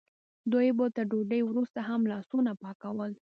دوی به تر ډوډۍ وروسته هم لاسونه پاکول.